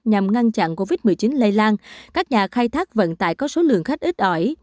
nhằm ngăn chặn covid một mươi chín lây lan các nhà khai thác vận tải có số lượng khách ít ỏi